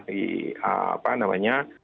di apa namanya